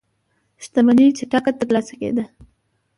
شتمنۍ چټکه ترلاسه کېده.